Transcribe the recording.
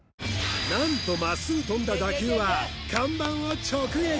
何とまっすぐ飛んだ打球は看板を直撃